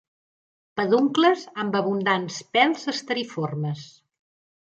Peduncles amb abundants pèls asteriformes.